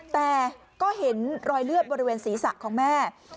แต่ก็เห็นรอยเลือดบริเวณศีรษะของแม่